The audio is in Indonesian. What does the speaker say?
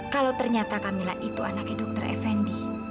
kalau ternyata kamila itu anaknya dokter fnd